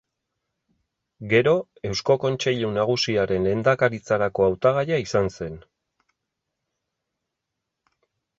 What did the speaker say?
Gero, Eusko Kontseilu Nagusiaren lehendakaritzarako hautagaia izan zen.